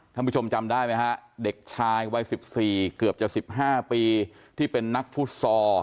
ท่านผู้ชมจำได้ไหมฮะเด็กชายวัย๑๔เกือบจะ๑๕ปีที่เป็นนักฟุตซอล